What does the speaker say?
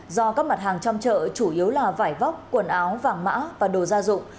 do các mặt hàng trong chợ chủ yếu là vải vóc quần áo vàng mã và đồ gia dụng